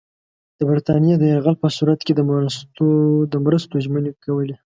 د برټانیې د یرغل په صورت کې د مرستو ژمنې کولې.